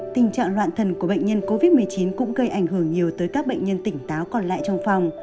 tình trạng loạn thần của bệnh nhân covid một mươi chín cũng gây ảnh hưởng nhiều tới các bệnh nhân tỉnh táo còn lại trong phòng